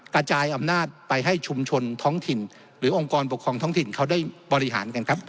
กระจายอำนาจไปให้ชุมชนท้องถิ่นหรือองค์กรปกครองท้องถิ่นเขาได้บริหารกันครับ